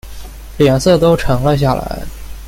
脸色都沉了下来